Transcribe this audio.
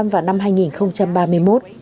và năm hai nghìn ba mươi một